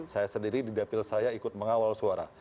saya sendiri di dapil saya ikut mengawal suara